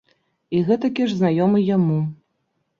І гэтакі ж знаёмы яму.